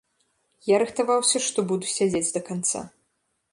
Я рыхтаваўся, што буду сядзець да канца.